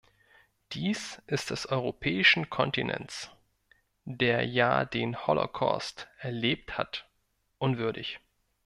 Dies ist des europäischen Kontinents, der ja den Holocaust erlebt hat, unwürdig!